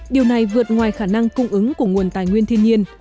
điều này vượt ngoài khả năng cung ứng của nguồn tài nguyên thiên nhiên